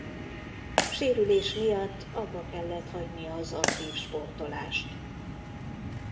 Sérülés miatt abba kellett hagynia az aktív sportolást.